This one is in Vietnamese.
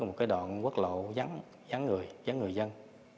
ở một cái đoạn quốc lộ vắng người vắng người dân